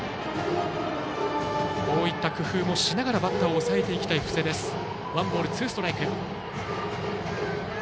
こういった工夫もしながらバッターを抑えていきたい布施です。